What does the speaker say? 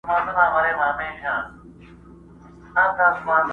څه پیالې پیالې را ګورې څه نشه نشه ږغېږې